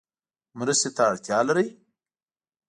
مرستې ته اړتیا لری؟